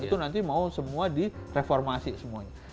itu nanti mau semua direformasi semuanya